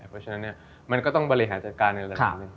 เพราะฉะนั้นมันก็ต้องบริหารจัดการในระดับหนึ่ง